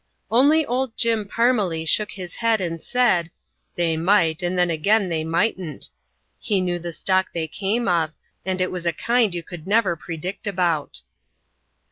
Only old Jim Parmelee shook his head and said, "They might, and then again they mightn't"; he knew the stock they came of and it was a kind you could never predict about.